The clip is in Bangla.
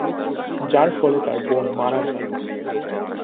যার ফলে তার বোন মারা যান।